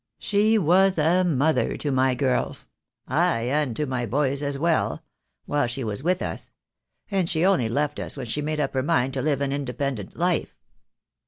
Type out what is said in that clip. She was a mother to my girls — ay, and to my boys as well — while she was with us; and she only left us when she made up her mind to live an independent life."